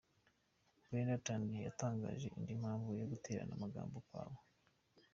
Brenda Thandi yatangaje indi mpamvu yo guterana amagambo kwa bo.